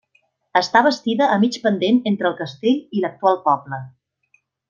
Està bastida a mig pendent entre el castell i l'actual poble.